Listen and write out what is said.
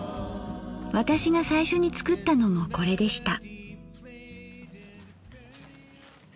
私が最初に作ったのもこれでした。